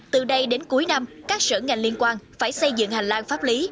từ đây đến cuối năm các sở ngành liên quan phải xây dựng hành lang pháp lý